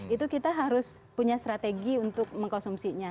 itu kita harus punya strategi untuk mengkonsumsinya